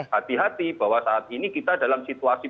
hati hati bahwa saat ini kita dalam situasi